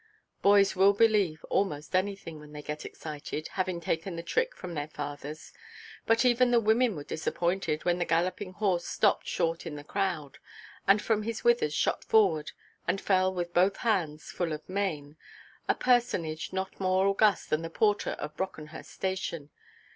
Boys will believe almost anything, when they get excited (having taken the trick from their fathers), but even the women were disappointed, when the galloping horse stopped short in the crowd, and from his withers shot forward, and fell with both hands full of mane, a personage not more august than the porter at Brockenhurst Station.